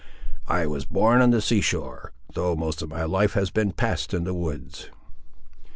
"I was born on the sea shore, though most of my life has been passed in the woods."